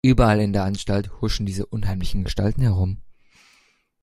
Überall in der Anstalt huschen diese unheimlichen Gestalten herum.